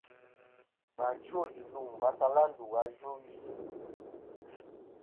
Và chwo iluŋ va tala ndu a yvɨwi.